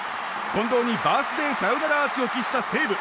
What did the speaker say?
近藤にバースデーアーチを喫した西武。